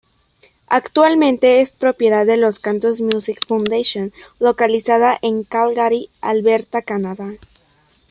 Actualmente es propiedad de la Cantos Music Foundation, localizada en Calgary, Alberta, Canadá.